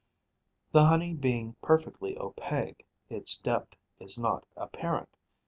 The honey being perfectly opaque, its depth is not apparent.